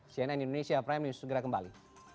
cnn indonesia prime news segera kembali